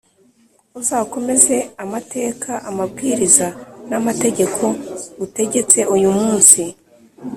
Uzakomeze amateka, amabwiriza n’amategeko ngutegetse uyu munsi,